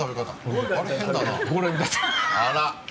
あら。